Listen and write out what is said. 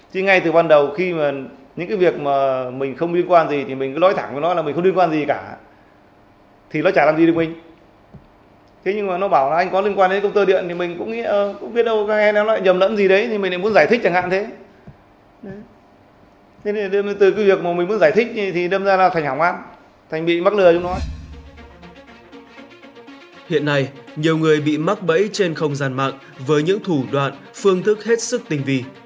từ ngày một mươi đến ngày một mươi năm tháng năm năm hai nghìn hai mươi ba nhiều người bị mắc bẫy trên không gian mạng với những thủ đoạn phương thức hết sức tinh vi